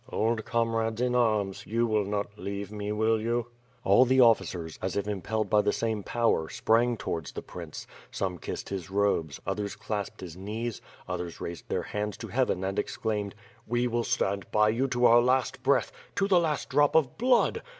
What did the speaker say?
"Old comrades in arms, you will not leave me, will you?" All the officers, as if impelled by the same power, sprang towards the prince; some kissed his robes, others clasped his knees, others raised their hands to heaven and exclaimed: "We will stand by you to our last breath, to the last drop of blood."